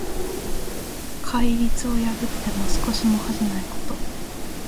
戒律を破っても少しも恥じないこと。